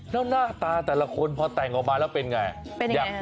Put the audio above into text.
แล้วหน้าตาแต่ละคนพอแต่งออกมาแล้วเป็นไง